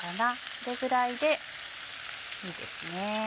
これぐらいでいいですね。